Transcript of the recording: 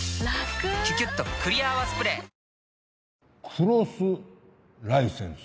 クロスライセンス？